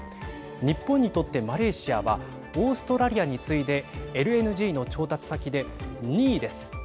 日本にとってマレーシアはオーストラリアに次いでＬＮＧの調達先で２位です。